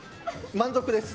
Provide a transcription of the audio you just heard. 満足です。